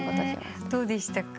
どうでしたか？